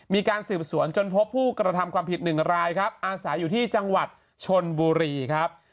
มีการสืบสวนจนพบผู้กระทำความผิด๑รายครับอาศัยอยู่ที่จังหวัดชนบุรีครับ